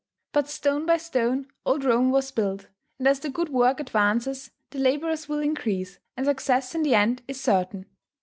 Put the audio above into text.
But stone by stone old Rome was built; and as the good work advances, the labourers will increase, and success in the end is certain.